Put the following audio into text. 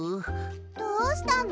どうしたの？